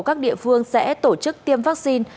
các địa phương sẽ tổ chức tiêm vaccine